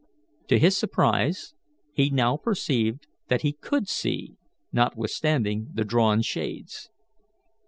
To his surprise, he now perceived that he could see, notwithstanding the drawn shades.